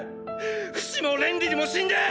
⁉フシもレンリルも死んで！！